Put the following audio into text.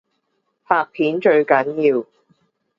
拍片最緊要